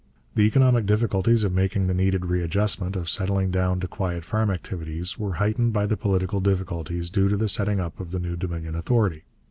The economic difficulties of making the needed readjustment, of settling down to quiet farm activities, were heightened by the political difficulties due to the setting up of the new Dominion authority.